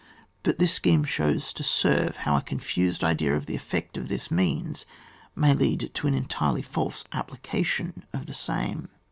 But this scheme serves to show how a confused idea of the effect of this means may lead to an en tirely false application of the same.